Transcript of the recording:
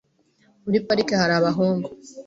Muri parike hari abahungu .